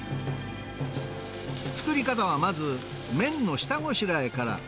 作り方はまず麺の下ごしらえから。